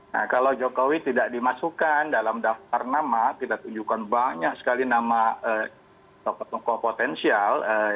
nah kalau jokowi tidak dimasukkan dalam daftar nama kita tunjukkan banyak sekali nama tokoh tokoh potensial